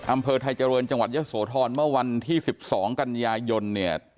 อำเภอไทยเจริญจังหวัดเยอะโสธรเมื่อวันที่๑๒กันยายนเนี่ย